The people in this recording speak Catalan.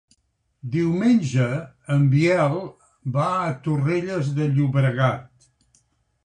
Diumenge en Biel va a Torrelles de Llobregat.